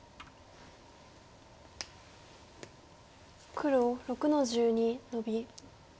黒６の十二ノビ。